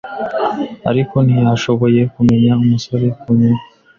ariko ntiyashoboye kumenya umusoro ku nyungu.